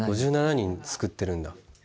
５７人救ってるんだ。